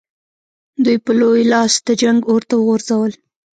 دوی په لوی لاس د جنګ اور ته وغورځول.